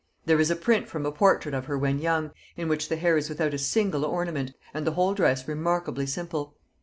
There is a print from a portrait of her when young, in which the hair is without a single ornament and the whole dress remarkably simple.